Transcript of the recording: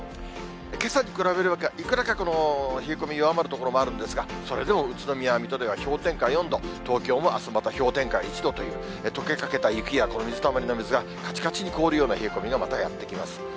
けさに比べれば、いくらか、冷え込み弱まる所もあるんですが、それでも宇都宮や水戸では氷点下４度、東京もあすまた氷点下１度という、とけかけた雪や水たまりの水がかちかちに凍るような冷え込みがまたやって来ます。